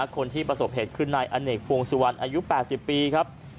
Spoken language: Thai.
คนที่ประสบเหตุคือนายอเนกพวงสุวรรณอายุ๘๐ปีครับ